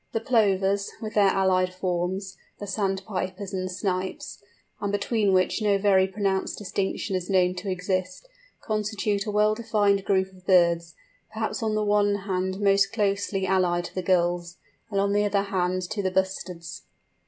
The Plovers, with their allied forms, the Sandpipers and Snipes, and between which no very pronounced distinction is known to exist, constitute a well defined group of birds, perhaps on the one hand most closely allied to the Gulls, and on the other hand to the Bustards.